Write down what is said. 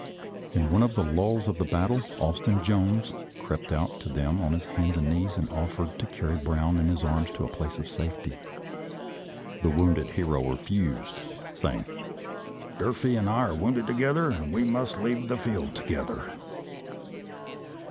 In one of the lulls of the battle Austin Jones crept out to them on his hands and knees and offered to carry Brown in his arms to a place of safety. The wounded hero refused, saying, " Durfee and I were wounded together and must leave the field together."